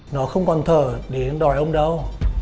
nó không còn thở để đòi ông đâu